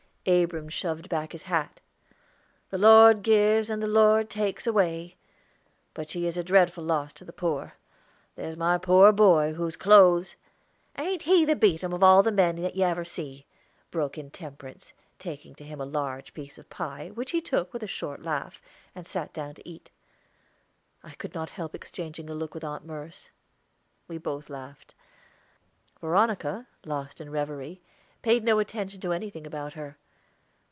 Abram shoved back his hat. "'The Lord gives and the Lord takes away,' but she is a dreadful loss to the poor. There's my poor boy, whose clothes " "Ain't he the beatum of all the men that ever you see?" broke in Temperance, taking to him a large piece of pie, which he took with a short laugh, and sat down to eat. I could not help exchanging a look with Aunt Merce; we both laughed. Veronica, lost in revery, paid no attention to anything about her.